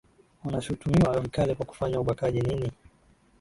wanashutumiwa vikali kwa kufanya ubakaji nini